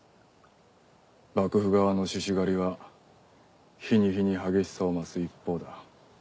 幕府側の志士狩りは日に日に激しさを増す一方だ。